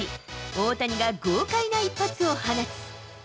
大谷が豪快な一発を放つ。